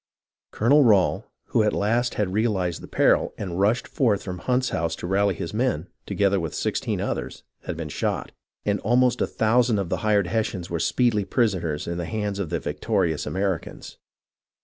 Colonel Rail, who at last had realized the peril, and rushed forth from Hunt's house to rally his men, together with sixteen others, had been shot ; and almost a thousand of the hired Hessians were speedily prisoners in the hands of the victorious Americans.